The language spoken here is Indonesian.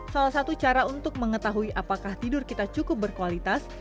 salah satu cara untuk mengetahui apakah tidur kita cukup berkualitas